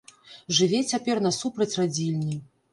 Жыве цяпер насупраць радзільні.